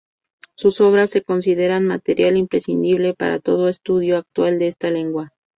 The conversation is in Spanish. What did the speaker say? Sus obras se consideran material imprescindible para todo estudioso actual de esta lengua.